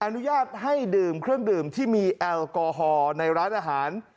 อนุญาตให้ดื่มเครื่องดื่มที่มีแอลกอฮอล์ในร้านอาหาร